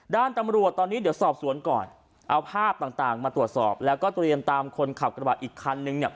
ด้านตำรวจตอนนี้เดี๋ยวสอบสวนก่อนเอาภาพต่างต่างมาตรวจสอบแล้วก็เตรียมตามคนขับกระบะอีกคันนึงเนี่ย